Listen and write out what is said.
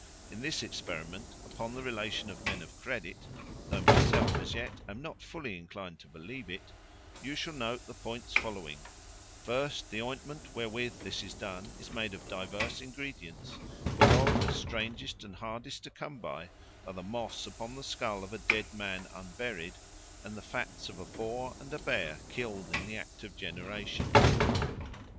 In this experiment, upon the relation of men of credit (though myself, as yet, am not fully inclined to believe it), you shall note the points following: first, the ointment wherewith this is done is made of divers ingredients, whereof the strangest and hardest to come by are the moss upon the skull of a dead man unburied, and the fats of a boar and a bear killed in the act of generation."